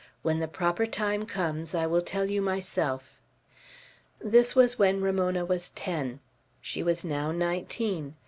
When the proper time comes I will tell you myself." This was when Ramona was ten. She was now nineteen.